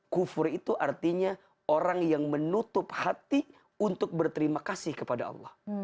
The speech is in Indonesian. kufur itu artinya orang yang menutup hati untuk berterima kasih kepada allah